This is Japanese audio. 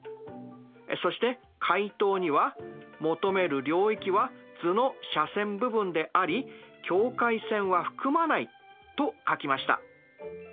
そして解答には「求める領域は図の斜線部分であり境界線は含まない」と書きました。